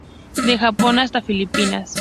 De Japón hasta Filipinas.